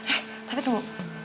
eh tapi tunggu